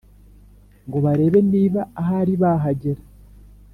ngo barebe niba ahari bahagera